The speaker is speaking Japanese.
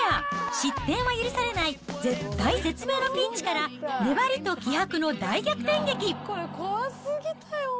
失点は許されない絶体絶命のピンチから、粘りと気迫の大逆転劇。